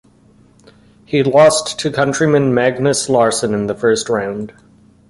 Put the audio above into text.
He lost to countryman Magnus Larsson in the first round.